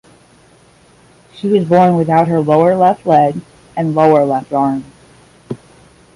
She was born without her lower left leg and lower left arm.